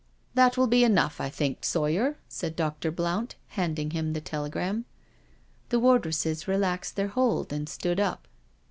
"That will be enough^ I think. Sawyer/' said Dr. Blount, handing him the telegram. The wardresses relaxed their hold and stood up.